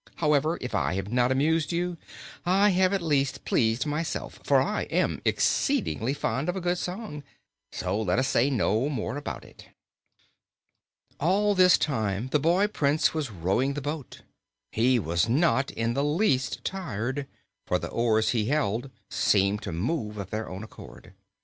However, if I have not amused you, I have at least pleased myself, for I am exceedingly fond of a good song. So let us say no more about it." All this time the boy Prince was rowing the boat. He was not in the least tired, for the oars he held seemed to move of their own accord.